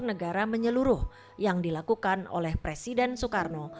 negara menyeluruh yang dilakukan oleh presiden soekarno